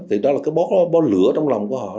thì đó là cái bón lửa trong lòng của họ